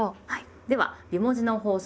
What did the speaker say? では美文字の法則